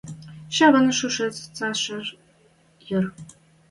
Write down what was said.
Шӓвен шушыц цӓшӹм йӹр?